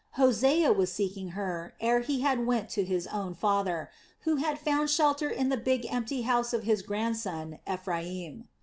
Hosea was seeking her ere he went to his own father, who had found shelter in the big empty house of his grandson, Ephraim.